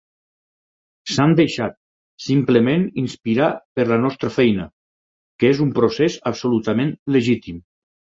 S'han deixat, simplement, inspirar per la nostra feina, que és un procés absolutament legitim.